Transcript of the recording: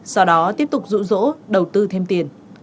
sau đó tiếp tục rụ rỗ đầu tư thêm tiền